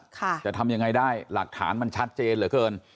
จะทำยังไงได้หลักฐานมันชัดเจนเหลือเกิน